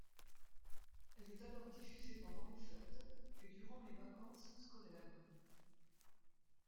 Elle est alors diffusée pendant les fêtes, et durant les vacances scolaires.